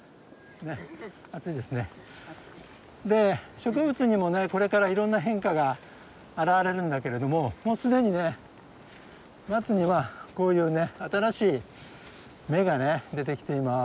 植物にもねこれからいろんな変化が現れるんだけれどももう既にね松にはこういうね新しい芽がね出てきています。